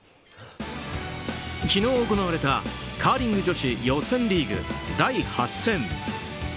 昨日行われたカーリング女子予選リーグ第８戦。